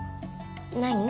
何？